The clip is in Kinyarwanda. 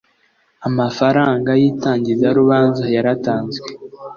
amafaranga yitangiza rubanza yaratanzwe